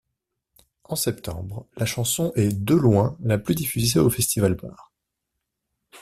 En septembre, la chanson est de loin la plus diffusée du Festivalbar.